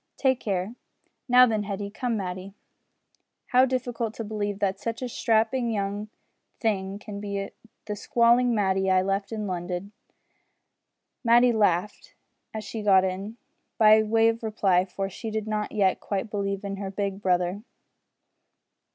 Take care! Now then, Hetty come, Matty. How difficult to believe that such a strapping young thing can be the squalling Matty I left in London!" Matty laughed as she got in, by way of reply, for she did not yet quite believe in her big brother.